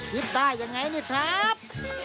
ได้ยังไงนี่ครับ